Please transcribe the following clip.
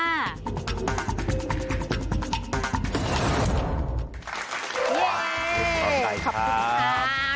เย้สวัสดีค่ะ